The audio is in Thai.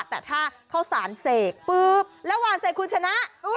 แต่ถ้าเข้าสารเสกปุ๊บแล้วหวานเสกคุณชนะ